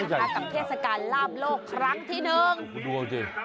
กับเทศกาลลาบโลกครั้งทีหนึ่ง